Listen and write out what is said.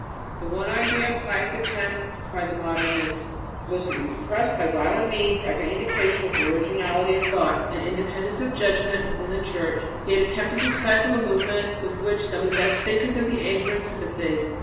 The one idea of Pius X, cried the Modernists, was to repress by violent means every indication of originality of thought and independence of judgement within the Church; he had attempted to stifle a movement with which some of the best thinkers of the age were in sympathy.